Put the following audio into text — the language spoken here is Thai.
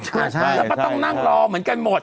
แล้วก็ต้องนั่งรอเหมือนกันหมด